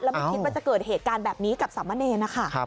แล้วมีคิดว่าจะเกิดเหตุการณ์แบบนี้กับสามเมอร์เนย์นะคะ